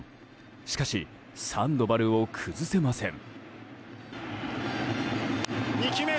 しかし、サンドバルを崩せません。